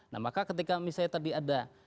nah maka ketika misalnya tadi ada